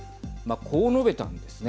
こう述べたんですね。